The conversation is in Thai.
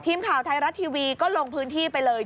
ทีมข่าวไทยรัฐทีวีก็ลงพื้นที่ไปเลย